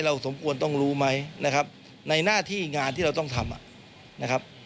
เราสมควรต้องรู้ไหมในหน้าที่งานที่เราต้องทำ